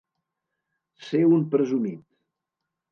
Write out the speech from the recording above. Ser un presumit.